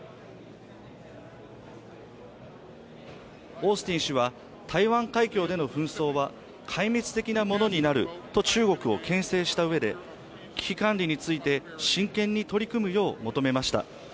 オースティン氏は台湾海峡での紛争は壊滅的なものになると中国を牽制した上で、危機管理について真剣に取り組むよう求めました。